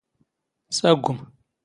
ⵙⴰⴳⴳⵯⵎ.